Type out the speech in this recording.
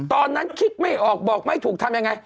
ตอนนั้นคิดไม่ออกบอกไม่ถูกทำยังไง